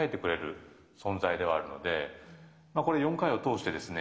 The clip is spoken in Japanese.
まあこれ４回を通してですね